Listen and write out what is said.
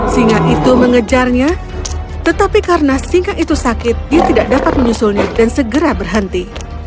singa itu mengejarnya tetapi karena singa itu sakit dia tidak dapat menyusulnya dan segera berhenti